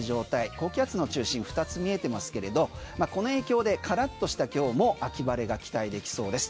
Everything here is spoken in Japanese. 高気圧の中心、２つ見えてますがこの影響で、カラッとした今日も秋晴れが期待できそうです。